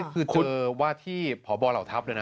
คือว่าที่พบเหล่าทัพเลยนะ